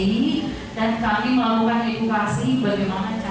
dan kami melakukan edukasi bagaimana cara melakukan penagihan yang berarti